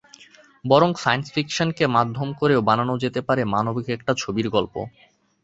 বরং সায়েন্স ফিকশনকে মাধ্যম করেও বানানো যেতে পারে মানবিক একটা ছবির গল্প।